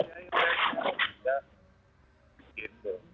dibiayai ya gitu